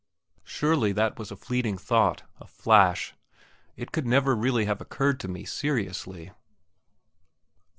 Surely that was a fleeting thought, a flash; it could never really have occurred to me seriously.